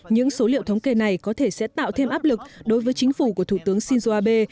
những số liệu thống kê này có thể sẽ tạo thêm áp lực đối với chính phủ của thủ tướng shinzo abe